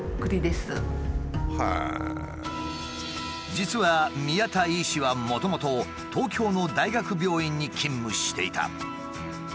実は宮田医師はもともと東京の大学病院に勤務していた。